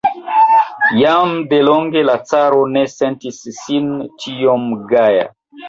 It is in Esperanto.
Jam de longe la caro ne sentis sin tiom gaja.